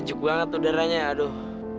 sejuk banget udaranya aduh